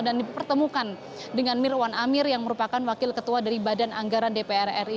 dan dipertemukan dengan mirwan amir yang merupakan wakil ketua dari badan anggaran dpr ri